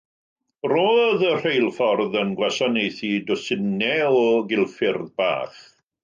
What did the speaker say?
Roedd y rheilffordd yn gwasanaethu dwsinau o gilffyrdd bach.